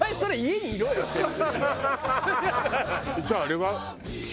じゃああれは？